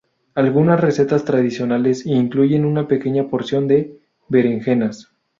Algunas recetas tradicionales incluyen una pequeña porción de berenjenas.